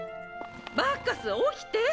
バッカス起きて！